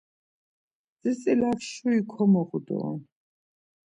Tzitzilak şuri komoğu doren.